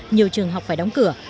nhiều trường học phải đóng cửa